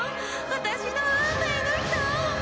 私の運命の人。